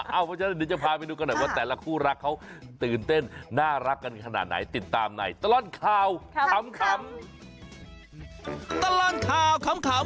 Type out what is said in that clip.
เพราะฉะนั้นเดี๋ยวจะพาไปดูกันหน่อยว่าแต่ละคู่รักเขาตื่นเต้นน่ารักกันขนาดไหนติดตามในตลอดข่าวขำ